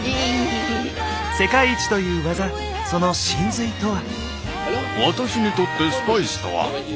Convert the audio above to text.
世界一という技その神髄とは？